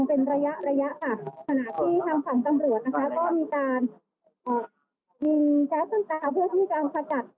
ทางตำรวจนะคะก็มีการเอ่อมีแจ๊บต้นตาเพื่อที่การประจัด